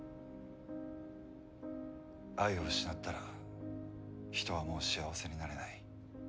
愛を失ったら人はもう幸せになれない。